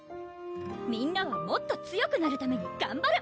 みんなはもっと強くなるためにがんばる！